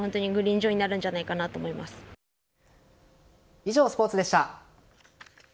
以上、スポーツでした。